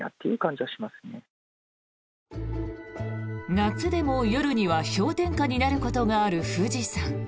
夏でも夜には氷点下になることがある富士山。